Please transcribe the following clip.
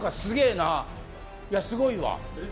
すごいわ。